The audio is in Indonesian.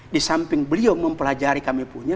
disamping beliau mempelajari kami punya